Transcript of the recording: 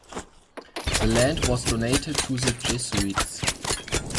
The land was donated to the Jesuits.